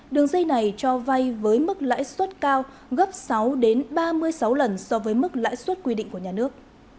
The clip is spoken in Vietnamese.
đường dây này cho vay với mức lãi suất cao gấp sáu ba mươi sáu lần so với mức lãi suất quy định của nhà nước